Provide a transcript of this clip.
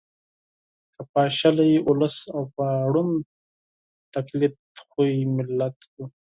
که پاشلی ولس او په ړوند تقلید عادت ملت یو